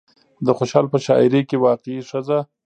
د خوشال په شاعرۍ کې واقعي ښځه